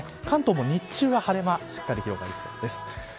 関東も日中は晴れ間がしっかりと広がりそうです。